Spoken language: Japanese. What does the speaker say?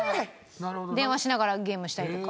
電話しながらゲームしたりとか。